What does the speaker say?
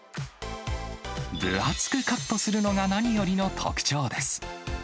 分厚くカットするのが何よりの特徴です。